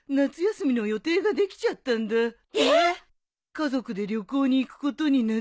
家族で旅行に行くことになって。